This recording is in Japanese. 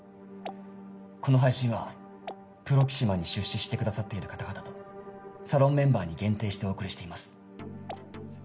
この配信はＰＲＯＸＩＭＡに出資してくださっている方々とサロンメンバーに限定してお送りしています。